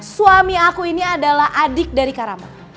suami aku ini adalah adik dari karama